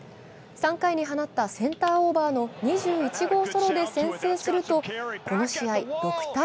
３回に放ったセンターオーバーの２１号ソロで先制するとこの試合６−０。